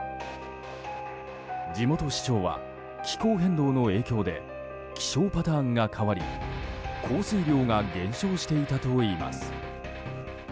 地元市長は気候変動の影響で気象パターンが変わり降水量が減少していたといいます。